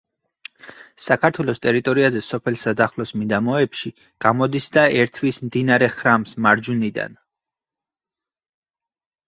საქართველოს ტერიტორიაზე სოფელ სადახლოს მიდამოებში გამოდის და ერთვის მდინარე ხრამს მარჯვნიდან.